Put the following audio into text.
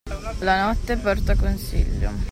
La notte porta consiglio.